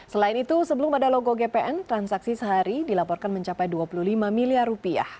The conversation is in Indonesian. selain itu sebelum ada logo gpn transaksi sehari dilaporkan mencapai dua puluh lima miliar rupiah